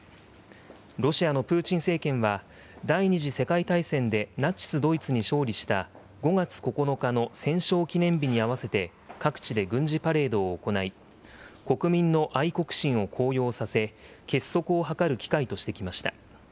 ロシアのプーチン政権は、第２次世界大戦でナチス・ドイツに勝利した５月９日の戦勝記念日に合わせて各地で軍事パレードを行い、国民の愛国心を高揚させ、結束を図る機会としてきました。